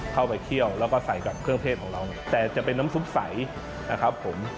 เคี่ยวแล้วก็ใส่กับเครื่องเทศของเราแต่จะเป็นน้ำซุปใสนะครับผม